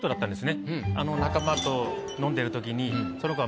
仲間と飲んでるときに。